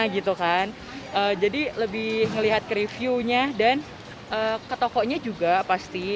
jadi lebih melihat ke reviewnya dan ke tokonya juga pasti